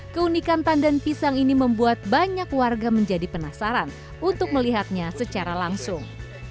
keunikan tandan pisang ini membuat banyak warga menjadi penasaran untuk melihatnya secara langsung